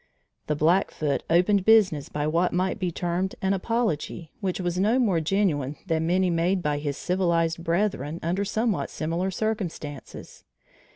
The Blackfoot opened business by what might be termed an apology which was no more genuine than many made by his civilized brethren under somewhat similar circumstances.